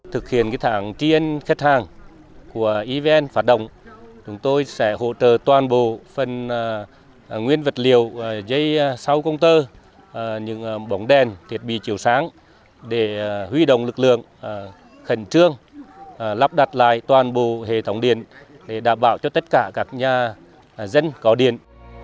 thực hiện cái tháng tri ân khách hàng của evn phát động chúng tôi sẽ hỗ trợ toàn bộ phần nguyên vật liệu dây sau công tơ những bóng đèn thiết bị chiều sáng để huy động lực lượng khẩn trương lắp đặt lại toàn bộ hệ thống điện để đảm bảo cho tất cả các nhà dân có điện